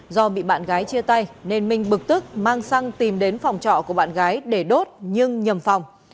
do bị bạn gái chia tay nên minh bực tức mang xăng tìm đến phòng trọ của bạn gái để đốt nhưng nhầm phòng